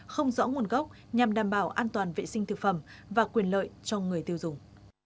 không rõ nguồn gốc nhằm đảm bảo an toàn vệ sinh thực phẩm và quyền lợi cho người tiêu dùng